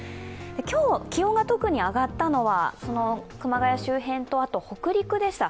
今日、気温が特に上がったのは、熊谷周辺と北陸でした。